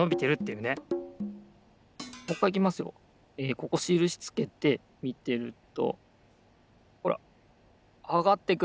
ここしるしつけてみてるとほらあがってく。